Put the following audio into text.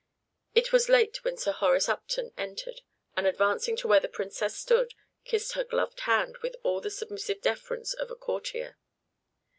It was late when Sir Horace Upton entered, and, advancing to where the Princess stood, kissed her gloved hand with all the submissive deference of a courtier.